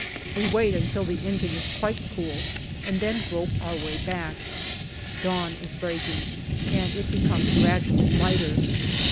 We wait until the engine is quite cool, and then grope our way back ; dawn is breaking, and it becomes gradually lighter.